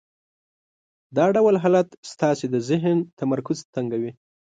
دا ډول حالت ستاسې د ذهن تمرکز تنګوي.